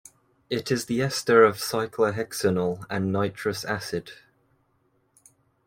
It is the ester of cyclohexanol and nitrous acid.